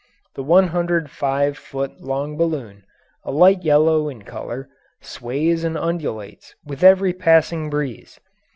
The 105 foot long balloon, a light yellow in colour, sways and undulates with every passing breeze.